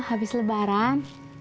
oh habis lebaran